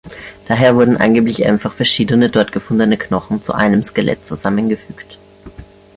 Daher wurden angeblich einfach verschiedene dort gefundene Knochen zu einem Skelett zusammengefügt.